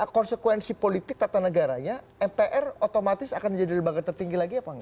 konsekuensi politik tata negaranya mpr otomatis akan jadi lembaga tertinggi lagi apa enggak